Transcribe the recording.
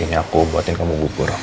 ini aku buatin kamu gugur